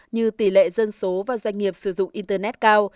như tỷ lệ dân số và doanh nghiệp sử dụng internet cao